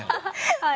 はい。